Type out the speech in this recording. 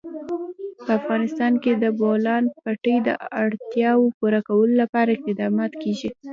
په افغانستان کې د د بولان پټي د اړتیاوو پوره کولو لپاره اقدامات کېږي.